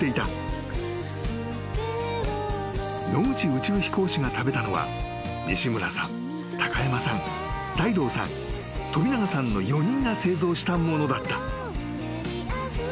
［野口宇宙飛行士が食べたのは西村さん高山さん大道さん飛永さんの４人が製造したものだった］